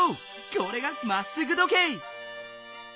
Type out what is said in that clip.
これが「まっすぐ時計」！